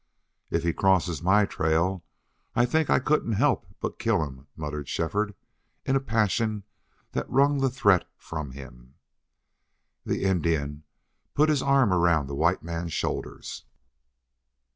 "If he crosses my trail I think I couldn't help but kill him," muttered Shefford in a passion that wrung the threat from him. The Indian put his arm round the white man's shoulders.